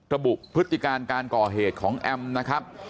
พฤติการการก่อเหตุของแอมนะครับ